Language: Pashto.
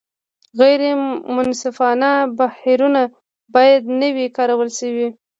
غیر منصفانه بهیرونه باید نه وي کارول شوي.